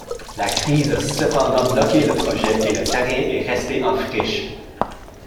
La crise a cependant bloqué le projet, et le terrain est resté en friches.